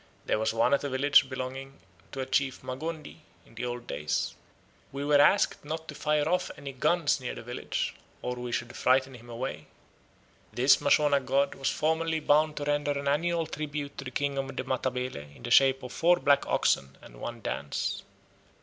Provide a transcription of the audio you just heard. There was one at a village belonging to a chief Magondi, in the old days. We were asked not to fire off any guns near the village, or we should frighten him away." This Mashona god was formerly bound to render an annual tribute to the king of the Matabele in the shape of four black oxen and one dance.